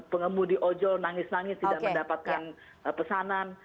pengemudi ojol nangis nangis tidak mendapatkan pesanan